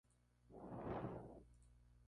Posteriormente se casó con la actriz Marian Nixon.